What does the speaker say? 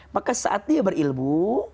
maka saat dia berilmu